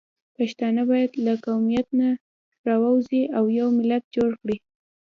پښتانه باید له قومیت نه راووځي او یو ملت جوړ کړي